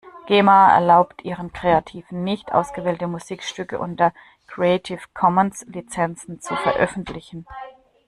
Gema erlaubt ihren Kreativen nicht, ausgewählte Musikstücke unter Creative Commons Lizenzen zu veröffentlichen.